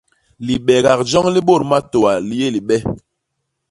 Libeegak joñ li bôt matôa li yé libe.